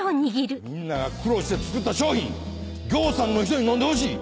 みんなが苦労して作った商品ぎょうさんの人に飲んでほしい！